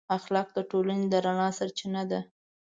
اخلاق د ټولنې د رڼا سرچینه ده.